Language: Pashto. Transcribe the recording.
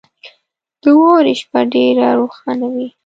• د واورې شپه ډېره روښانه وي.